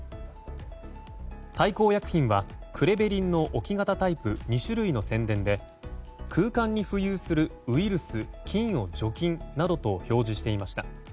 大幸薬品はクレベリンの置き型タイプ２種類の宣伝で「空間に浮遊するウイルス・菌を除去」などと表示していました。